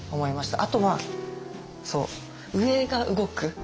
あとは上が動く。